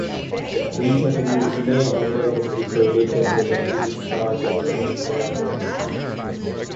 These attributes may or may not be correlated with the individual dependent variables.